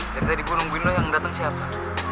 dari tadi gue nungguin lo yang dateng siapa